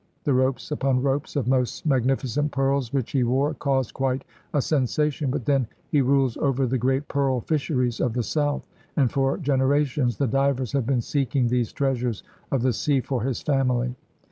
The ropes upon ropes of most magnificent pearls which he wore caused quite a sensation, but then he rules over the great pearl fisheries of the South, and for gen erations the divers have been seeking these treasures of the sea for his family.